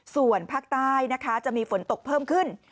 ส่วนภาคใต้นะคะจะมีฝนตกเพิ่มขึ้น